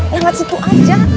yangat situ aja